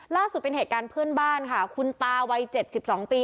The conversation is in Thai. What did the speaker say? ล่าสุดเป็นเหตุการณ์เพื่อนบ้านค่ะคุณตาวัย๗๒ปี